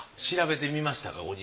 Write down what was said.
調べてみましたか？